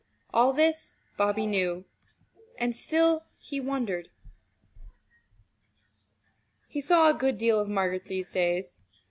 All this Bobby knew and still he wondered. He saw a good deal of Margaret these days.